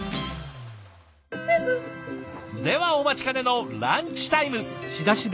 ではお待ちかねのランチタイム！